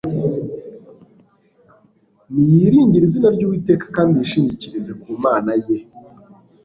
Niyiringire izina ry'Uwiteka, kandi yishingikirize ku Mana ye